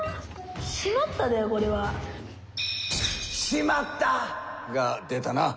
「しまった！」が出たな。